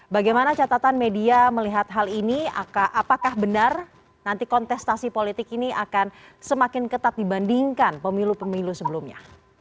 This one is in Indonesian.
bagaimana catatan media melihat hal ini apakah benar nanti kontestasi politik ini akan semakin ketat dibandingkan pemilu pemilu sebelumnya